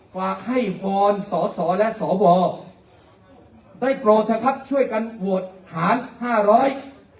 ฝากให้วอนสอสอและสวได้โปรดเถอะครับช่วยกันโหวตหารห้าร้อย